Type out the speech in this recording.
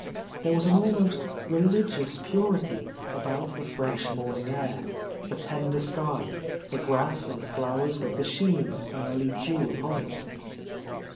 There was an almost religious purity about the fresh morning air, the tender sky, the grass and flowers with the sheen of early dew upon them.